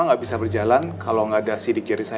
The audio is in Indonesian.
nggak bisa berjalan kalau nggak ada sidik kiri saya